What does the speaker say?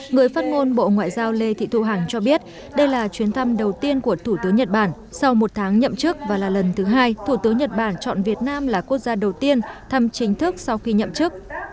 người phát ngôn bộ ngoại giao lê thị thu hằng cho biết đây là chuyến thăm đầu tiên của thủ tướng nhật bản sau một tháng nhậm chức và là lần thứ hai thủ tướng nhật bản chọn việt nam là quốc gia đầu tiên thăm chính thức sau khi nhậm chức